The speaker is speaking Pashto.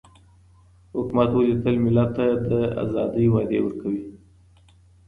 حکومت ولي تل ملت ته د آزادۍ وعدې ورکوي؟